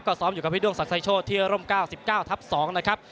ก็ก็ซ้อมอยู่กับพี่ดวงสัตว์ใส่โชชภ์เที่ยวร่มเก้าสิบเก้าทับสองนะครับ